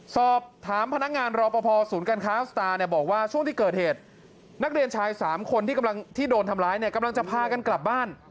สอบถามพนักงานรอปภศูนย์การค้าสตาร์เนี่ยบอกว่าช่วงที่เกิดเหตุนักเรียนชาย๓คนที่กำลังที่โดนทำร้ายเนี่ยกำลังจะพากันกลับบ้าน